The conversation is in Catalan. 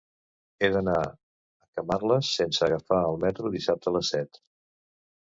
He d'anar a Camarles sense agafar el metro dissabte a les set.